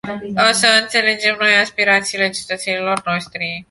Așa înțelegem noi aspirațiile cetățenilor noștri.